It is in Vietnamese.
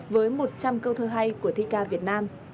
với một trăm linh câu thơ hay của thi ca việt nam